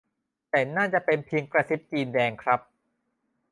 แต่น่าจะเป็นเพียงกระซิบจีนแดงครับ